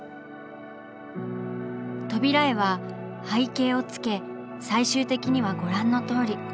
扉絵は背景をつけ最終的にはご覧のとおり。